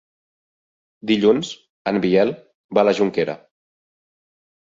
Dilluns en Biel va a la Jonquera.